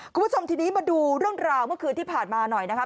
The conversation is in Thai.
คุณผู้ชมทีนี้มาดูเรื่องราวเมื่อคืนที่ผ่านมาหน่อยนะครับ